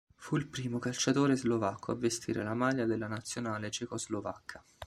Fu il primo calciatore slovacco a vestire la maglia della Nazionale cecoslovacca.